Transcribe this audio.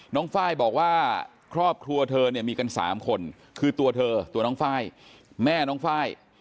น้องฟ้ายบอกว่าครอบครัวเธอมีกัน๓คนคือตัวเธอตัวน้องฟ้ายแม่น้องฟ้าย